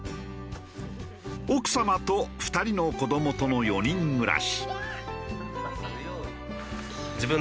奥様と２人の子どもとの４人暮らし。